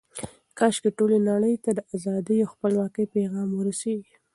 کاشکې ټولې نړۍ ته د ازادۍ او خپلواکۍ پیغام ورسیږي.